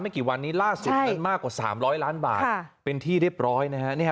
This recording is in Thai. ไม่กี่วันนี้ล่าสุดใช่นั้นมากกว่าสามร้อยล้านบาทค่ะเป็นที่เรียบร้อยนะฮะ